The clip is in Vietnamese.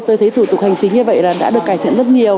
tôi thấy thủ tục hành chính như vậy là đã được cải thiện rất nhiều